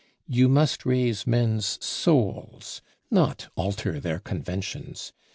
You must raise men's souls, not alter their conventions.